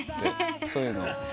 そういうの。